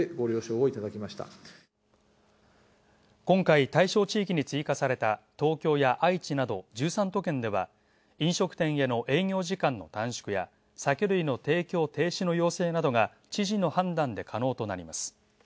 今回、対象地域に追加された東京や愛知など１３都県では飲食店への営業時間の短縮や酒類の提供停止の要請などが知事の判断で可能となります。